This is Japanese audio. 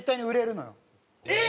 えっ！